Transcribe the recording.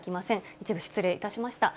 一部失礼いたしました。